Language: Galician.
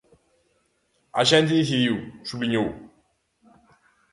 "A xente decidiu", subliñou.